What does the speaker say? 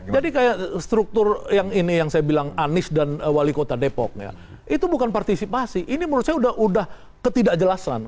jadi kayak struktur yang ini yang saya bilang anies dan wali kota depok ya itu bukan partisipasi ini menurut saya udah ketidakjelasan